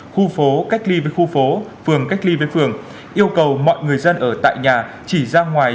khu phố cách ly với khu phố phường cách ly với phường yêu cầu mọi người dân ở tại nhà chỉ ra ngoài